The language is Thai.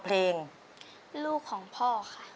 ลูกของพ่อค่ะ